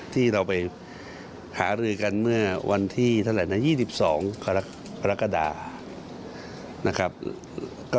ที่เราไปหาลือกันเมื่อวันที่เท่าไหร่๒๒ภรรกระดาว์